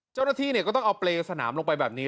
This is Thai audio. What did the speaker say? เจ้าหน้าที่ก็ต้องเอาเปรย์สนามลงไปแบบนี้